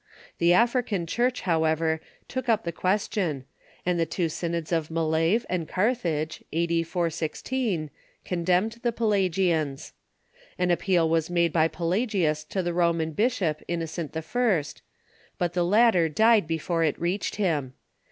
The African Church, however, took up the ques tion, and the two synods of Mileve and Carthage (a.d. 416) condemned the Pelagians. An appeal was made by Pelagius to the Roman bisliop. Innocent I., but the latter died before it reached him.